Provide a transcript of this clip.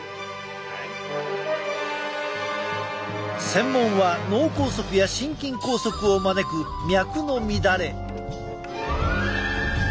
専門は脳梗塞や心筋梗塞を招く脈の乱れ。